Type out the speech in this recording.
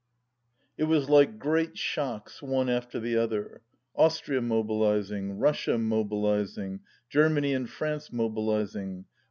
It was like great shocks, one after the other — ^Austria mobilizing, Russia mobilizing, Germany and France mobilizing